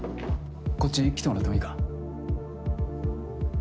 こっち来てもらってもいいか？